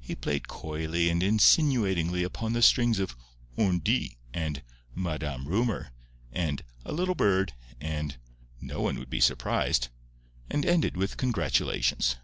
He played coyly and insinuatingly upon the strings of "on dit" and "Madame Rumour" and "a little bird" and "no one would be surprised," and ended with congratulations.